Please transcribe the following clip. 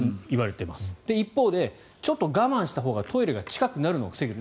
一方でちょっと我慢したほうがトイレが近くなるのを防げる。